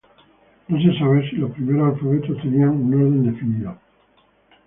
No se sabe si los primeros alfabetos tenían un orden definido.